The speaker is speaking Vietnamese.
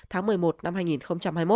tháng một mươi một năm hai nghìn hai mươi một